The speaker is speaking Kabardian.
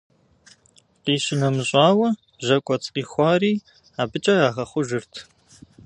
Къищынэмыщӏауэ, жьэкӏуэцӏ къихуари абыкӏэ ягъэхъужырт.